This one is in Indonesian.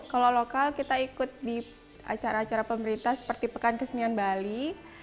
kalau lokal kita ikut di acara acara pemerintah seperti pekan kesenian bali